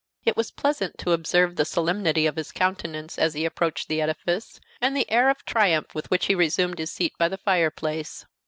It was pleasant to observe the solemnity of his countenance as he approached the edifice, and the air of triumph with which he resumed his seat by the fireplace.